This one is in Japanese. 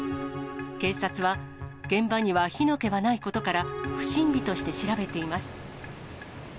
警察は、現場には火の気はないことから、不審火として調べています。